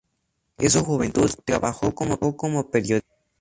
En su juventud, trabajó como periodista.